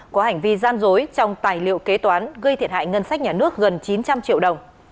có hành vi gian dối trong tài liệu kế toán gây thiệt hại ngân sách nhà nước gần chín trăm linh triệu đồng